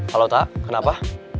halo tak kenapa